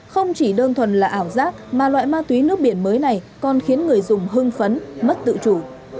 không chỉ đơn thuần là ảo giác mà loại ma túy nước biển mới này còn khiến người dùng hưng phấn mất tự chủ